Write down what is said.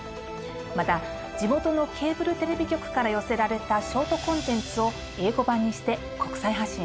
また地元のケーブルテレビ局から寄せられたショートコンテンツを英語版にして国際発信します。